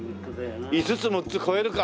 ５つ６つ超えるか？